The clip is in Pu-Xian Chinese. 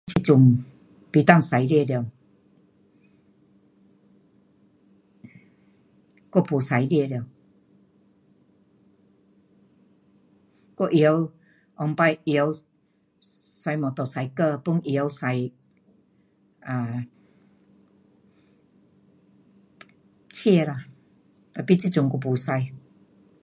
这阵不能驾车了，我没驾车了，我会晓，以前会晓驾 motorcycle, pun 会晓驾 um 车啦，tapi 这阵我没驾。